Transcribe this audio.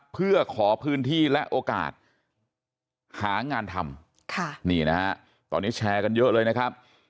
เพื่อขอพื้นที่และโอกาสหางานทำนี่นะฮะตอนนี้แชร์กันเยอะเลยนะครับ